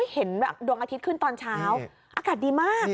เห็นแบบดวงอาทิตย์ขึ้นตอนเช้าอากาศดีมาก